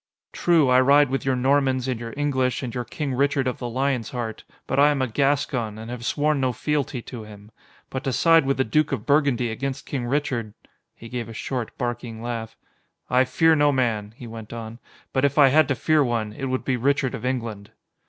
True, I ride with your Normans and your English and your King Richard of the Lion's Heart, but I am a Gascon, and have sworn no fealty to him. But to side with the Duke of Burgundy against King Richard " He gave a short, barking laugh. "I fear no man," he went on, "but if I had to fear one, it would be Richard of England."